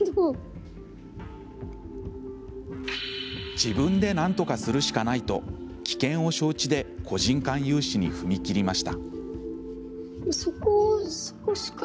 自分でなんとかするしかないと危険を承知で個人間融資に踏み切りました。